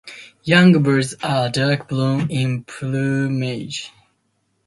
Young birds are dark brown in plumage.